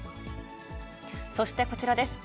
そしてこちらです。